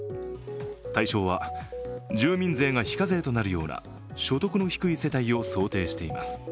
対象は住民税が非課税となるような所得の低い世帯を想定しています。